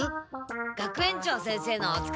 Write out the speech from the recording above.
学園長先生のおつかいで。